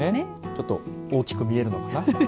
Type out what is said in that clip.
ちょっと大きく見えるのかな。